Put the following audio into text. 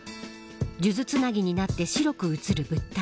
数珠つなぎになって白く写る物体。